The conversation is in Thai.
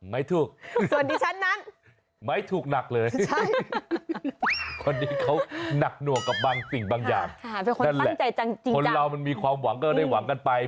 ไม่ถูกไม่ถูกหนักเลยคนนี้เขาหนักหนวกกับสิ่งบางอย่างนั่นแหละคนเรามันมีความหวังก็ได้หวังกันไป